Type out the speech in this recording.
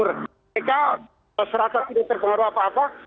mereka masyarakat tidak terpengaruh apa apa